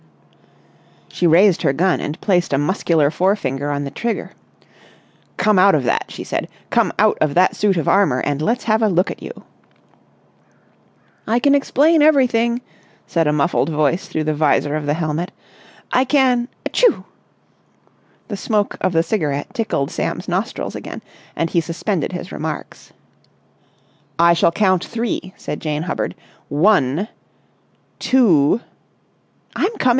She raised her gun, and placed a muscular forefinger on the trigger. "Come out of that!" she said. "Come out of that suit of armour and let's have a look at you!" "I can explain everything," said a muffled voice through the vizor of the helmet. "I can—achoo!" The smoke of the cigarette tickled Sam's nostrils again, and he suspended his remarks. "I shall count three," said Jane Hubbard, "One—two—" "I'm coming!